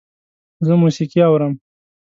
زه موسیقی اورم